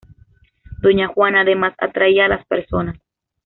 Doña Juana además atraía a las personas.